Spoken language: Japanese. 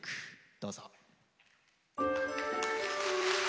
どうぞ。